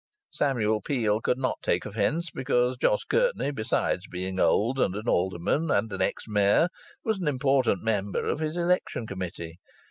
Samuel Peel could not take offence, because Jos Curtenty, besides being old and an alderman, and an ex Mayor, was an important member of his election committee.